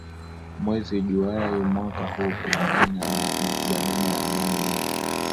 mwezi juai mwaka huu kulingana na makubaliano ya amani mwaka